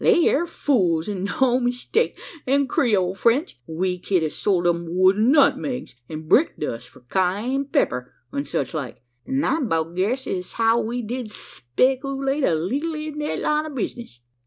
they air fools, an' no mistake them Creole French. We ked a sold 'em wooden nutmegs, an' brick dust for Cayenne pepper, an' such like; an' I 'bout guess es how we did spekoolate a leetle in thet line o' bizness.